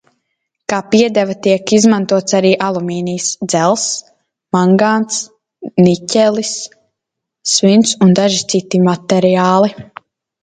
Kā piedeva tiek izmantots arī alumīnijs, dzelzs, mangāns, niķelis, svins un daži citi metāli.